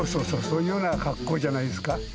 そういうような格好じゃないですか？